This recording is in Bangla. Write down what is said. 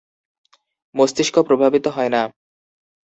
মস্তিষ্ক প্রভাবিত হয় না।